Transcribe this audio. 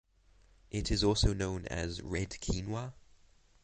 It is also known as red quinoa.